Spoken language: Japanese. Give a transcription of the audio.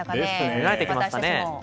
慣れてきましたね。